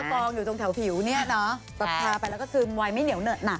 ให้มะกองอยู่ตรงแถวผิวเนี่ยเนอะแบบพาไปแล้วก็ซึมไว้ไม่เหนียวเหนิดน่ะ